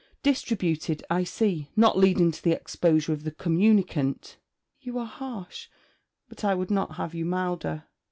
'Distributed; I see: not leading to the exposure of the communicant!' 'You are harsh; but I would not have you milder.'